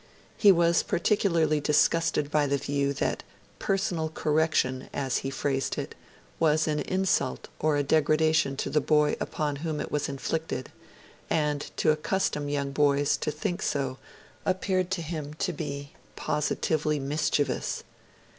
He was particularly disgusted by the view that 'personal correction', as he phrased it, was an insult or a degradation to the boy upon whom it was inflicted; and to accustom young boys to think so appeared to him to be 'positively mischievous'.